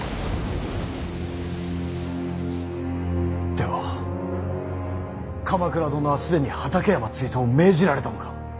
では鎌倉殿は既に畠山追討を命じられたのか。